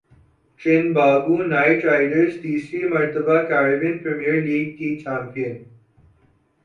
Trinbago Knight Riders تیسری مرتبہ Caribbean Premier League کی چیمپیئن